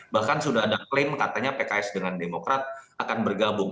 bahkan sudah ada klaim katanya pks dengan demokrat akan bergabung